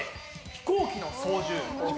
飛行機の操縦。